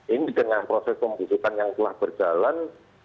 ini dengan proses pembusukan yang telah berjalan